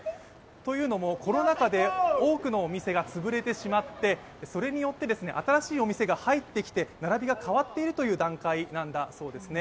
というのも、コロナ禍で多くのお店がつぶれてしまって、それによって、新しいお店が入ってきて、並びが変わってきているという段階なんだそうですね